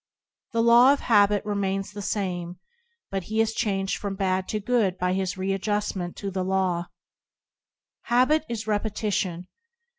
The law of habit remains the same, but he is changed from bad to good by his read justment to the law. Habit is repetition.